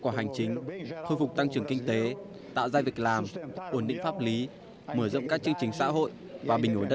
trong bài phát biểu đầu tiên trên truyền hình quốc gia